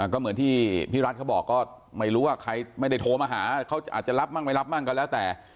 ก็เหมือนที่พี่รัฐเขาบอกก็ไม่รู้ว่าใครไม่ได้โทรมาหาเขาอาจจะรับมั่งไม่รับมั่งก็แล้วแต่